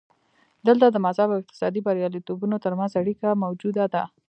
دلته د مذهب او اقتصادي بریالیتوبونو ترمنځ اړیکه موجوده ده.